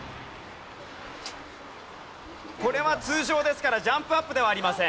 これは通常ですからジャンプアップではありません。